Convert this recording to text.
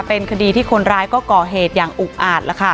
เป็นคดีที่คนร้ายก็ก่อเหตุอย่างอุกอาจแล้วค่ะ